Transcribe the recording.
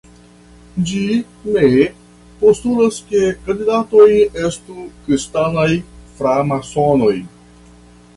Ĝi "ne" postulas ke kandidatoj estu kristanaj framasonoj.